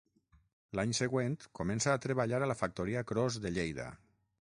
L'any següent comença a treballar a la factoria Cros de Lleida.